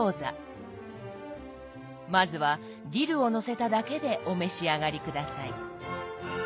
まずはディルをのせただけでお召し上がり下さい。